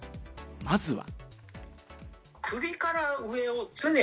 まずは。